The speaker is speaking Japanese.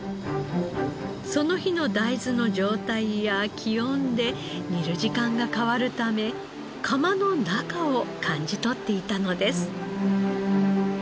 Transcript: その日の大豆の状態や気温で煮る時間が変わるため釜の中を感じ取っていたのです。